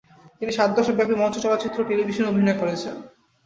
তিনি সাত দশক ব্যাপী মঞ্চ, চলচ্চিত্র ও টেলিভিশনে অভিনয় করেছেন।